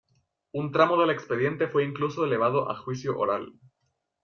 Un tramo del expediente fue incluso elevado a juicio oral.